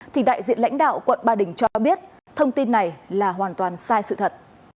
thì đại diện lãnh đạo quận ba đình cho biết thông tin này là hoàn toàn sai sự thật